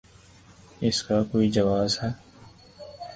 اس کا کوئی جواز ہے؟